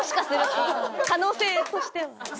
可能性として。